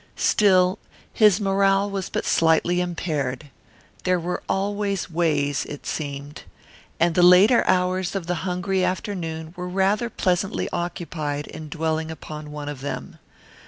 Still, his morale was but slightly impaired. There were always ways, it seemed. And the later hours of the hungry afternoon were rather pleasantly occupied in dwelling upon one of them.